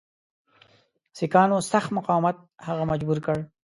سیکهانو سخت مقاومت هغه مجبور کړ.